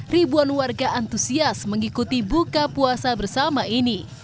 ribuan warga antusias mengikuti buka puasa bersama ini